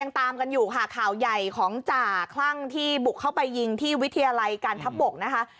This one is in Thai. ตามกันอยู่ค่ะข่าวใหญ่ของจ่าคลั่งที่บุกเข้าไปยิงที่วิทยาลัยการทับบกนะคะ